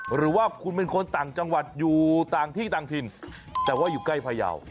หรือว่าคุณเป็นคนต่างจังหวัดอยู่ต่างที่ต่างถิ่นแต่ว่าอยู่ใกล้พยาว